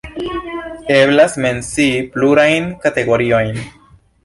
Eblas mencii plurajn kategoriojn.